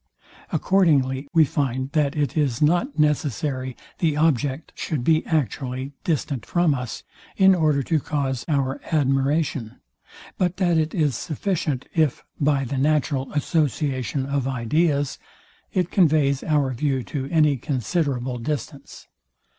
Accordingly we find, that it is not necessary the object should be actually distant from us, in order to cause our admiration; but that it is sufficient, if, by the natural association of ideas, it conveys our view to any considerable distance.